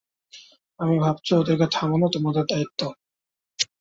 আমি ভাবছি, ওদেরকে থামানো তোমাদের দায়িত্ব।